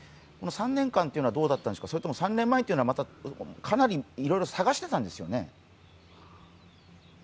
３年間というのはどうだったんでしょうか、それとも３年前というのはかなりいろいろ捜していたんですよね？